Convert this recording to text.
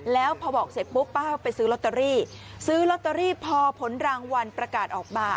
แล้วพอบอกเสร็จปุ๊บป้าไปซื้อลอตเตอรี่ซื้อลอตเตอรี่พอผลรางวัลประกาศออกมา